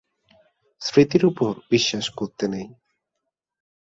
স্মৃতির উপর বিশ্বাস করতে নেই।